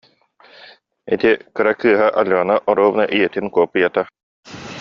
Ити кыра кыыһа Алена оруобуна ийэтин куоппуйата